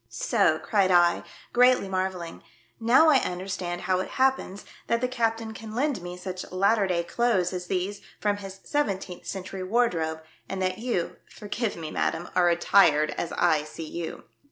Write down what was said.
" So!" cried I, greatly marvelling. " Now I understand how it happens that the captain can lend me such latter day clothes as these from his seventeenth century wardrobe, and that you — forgive me, madam — are attired as I see you."